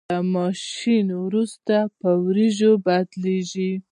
شولې له ماشین وروسته په وریجو بدلیږي.